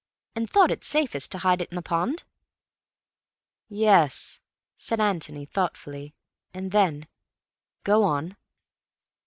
And thought it safest to hide it in the pond?" "Yes," said Anthony thoughtfully. Then: "Go on."